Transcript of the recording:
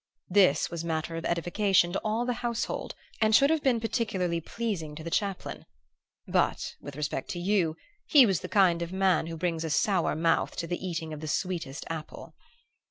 This was matter of edification to all the household and should have been peculiarly pleasing to the chaplain; but, with respect to you, he was the kind of man who brings a sour mouth to the eating of the sweetest apple.